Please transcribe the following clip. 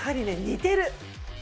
似てる？